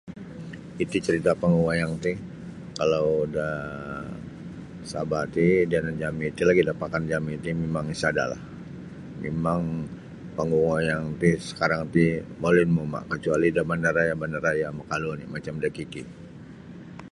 Iti carita' panggung wayang ti kalau da Sabah ti da yanan jami' ti lagilah pekan jami ti mimang isadalah mimang panggung wayang ti sekarang ti molin mauma' kecuali da bandaraya-bandaraya makalu oni macam da KK.